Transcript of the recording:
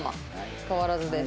変わらずです。